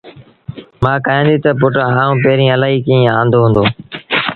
مآ ڪهيآݩديٚ تا پُٽ آئوݩ پيريٚݩ اَلهيٚ ڪيٚݩ آݩدو هُݩدو